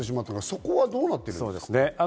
そこはどうなってるんですか？